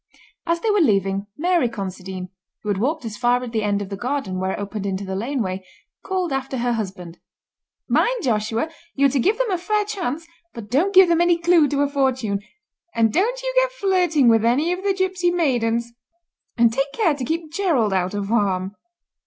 As they were leaving, Mary Considine, who had walked as far as the end of the garden where it opened into the laneway, called after her husband: "Mind, Joshua, you are to give them a fair chance, but don't give them any clue to a fortune—and don't you get flirting with any of the gipsy maidens—and take care to keep Gerald out of harm."